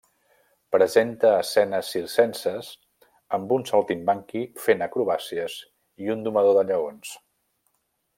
Presenta escenes circenses amb un saltimbanqui fent acrobàcies i un domador de lleons.